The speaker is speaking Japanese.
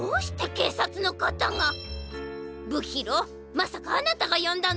まさかあなたがよんだの！？